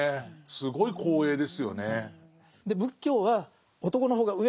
すごい光栄ですよね。